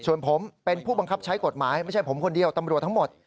ส่วนผมเป็นผู้บังคับใช้กฎหมายไม่ใช่ผมคนเดียวตำรวจทั้งหมด